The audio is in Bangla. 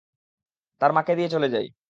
তার মাকে দিয়ে চলে যাই।